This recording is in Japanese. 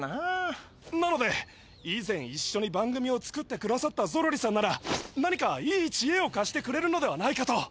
なのでいぜんいっしょに番組を作ってくださったゾロリさんなら何かいいちえをかしてくれるのではないかと。